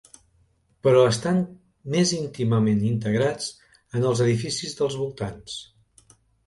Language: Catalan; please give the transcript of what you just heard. Però estan més íntimament integrats en els edificis dels voltants.